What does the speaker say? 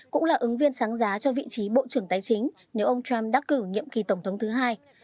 cũng là ứng viên sáng giá cho vị trí bộ trưởng tài chính nếu ông trump đắc cử nhiệm kỳ tổng thống thứ hai